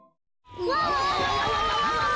うわ！